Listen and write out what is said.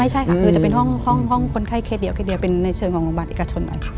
หรือจะเป็นห้องคนไข้เคเป็นชนของโรงบัติอิกาชน